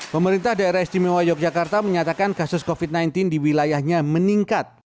pemerintah daerah istimewa yogyakarta menyatakan kasus covid sembilan belas di wilayahnya meningkat